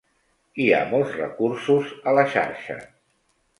Hi ha molts recursos a la xarxa.